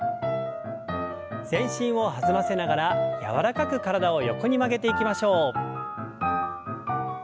全身を弾ませながら柔らかく体を横に曲げていきましょう。